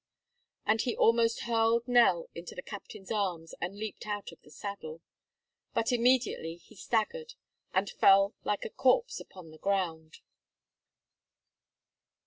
And he almost hurled Nell into the captain's arms and leaped out of the saddle. But immediately he staggered, and fell like a corpse upon the ground.